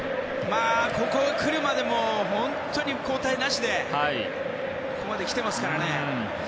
ここに来るまでも本当に交代なしでここまで来てますからね。